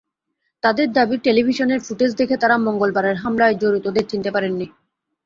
তাঁদের দাবি, টেলিভিশনের ফুটেজ দেখে তাঁরা মঙ্গলবারের হামলায় জড়িতদের চিনতে পারেননি।